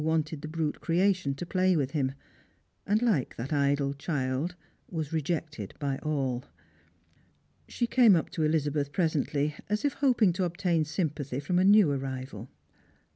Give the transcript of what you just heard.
nted the brute creation to play with him ; and, like that idle child, was rejected by all. She came up to Elizabeth presently, as if hoping to obtain sympathy from a new arrival.